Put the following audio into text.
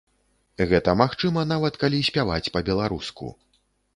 Гэта магчыма нават, калі спяваць па-беларуску.